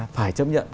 phải chấp nhận